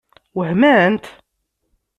Wehment?